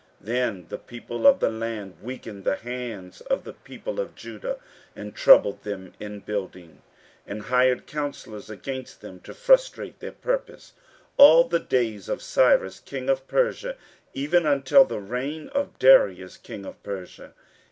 15:004:004 Then the people of the land weakened the hands of the people of Judah, and troubled them in building, 15:004:005 And hired counsellors against them, to frustrate their purpose, all the days of Cyrus king of Persia, even until the reign of Darius king of Persia.